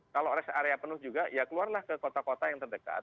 kalau rest area penuh juga ya keluarlah ke kota kota yang terdekat